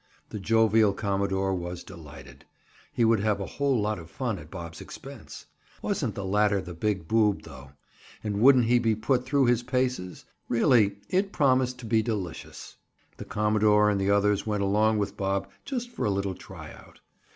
The jovial commodore was delighted. He would have a whole lot of fun at Bob's expense. Wasn't the latter the big boob, though? And wouldn't he be put through his paces? Really it promised to be delicious. The commodore and the others went along with Bob just for a little try out.